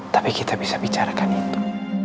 tapi kita bisa bicarakan itu